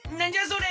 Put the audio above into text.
それ！